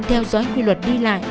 theo dõi quy luật đi lại